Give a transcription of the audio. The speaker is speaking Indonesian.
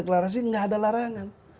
pendeklarasi nggak ada larangan